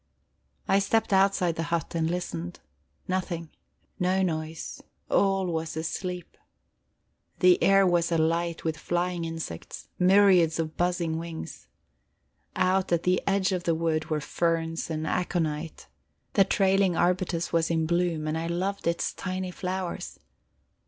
I stepped outside the hut and listened. Nothing, no noise; all was asleep. The air was alight with flying insects, myriads of buzzing wings. Out at the edge of the wood were ferns and aconite, the trailing arbutus was in bloom, and I loved its tiny flowers...